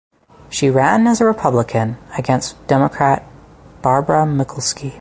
She ran as a Republican against Democrat Barbara Mikulski.